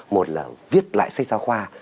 một là viết lại sách giáo khoa